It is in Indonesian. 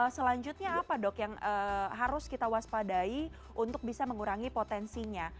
selanjutnya apa dok yang harus kita waspadai untuk bisa mengurangi potensinya